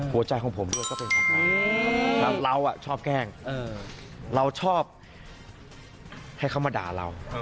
หัวใจของผมด้วยก็เป็นของเขา